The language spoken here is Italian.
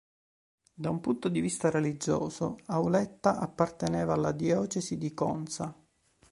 Da un punto di vista religioso Auletta apparteneva alla diocesi di Conza.